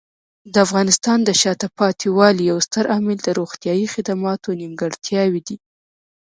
د افغانستان د شاته پاتې والي یو ستر عامل د روغتیايي خدماتو نیمګړتیاوې دي.